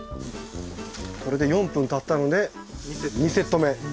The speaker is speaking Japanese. これで４分たったので２セット目。